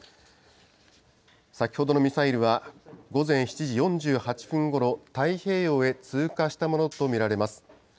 先ほどのミサイルは、午前７時４８分ごろ、太平洋へ通過したものと見られます。